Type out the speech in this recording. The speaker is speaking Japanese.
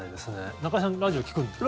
中居さん、ラジオ聞くんですか？